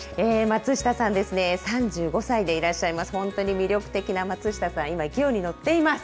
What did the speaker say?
松下さんですね、３５歳でいらっしゃいます、本当に魅力的に松下さん、今、勢いに乗っています。